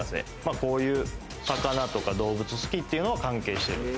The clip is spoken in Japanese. こういう魚とか、動物好きっていうのは関係してる。